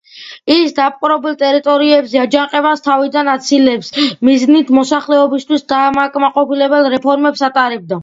ის დაპყრობილ ტერიტორიებზე აჯანყებების თავიდან აცილების მიზნით მოსახლეობისთვის დამაკმაყოფილებელი რეფორმებს ატარებდა.